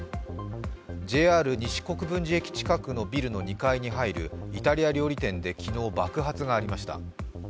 ＪＲ西国分寺駅近くのビルの２階に入るイタリア料理店で昨日、爆発がありました。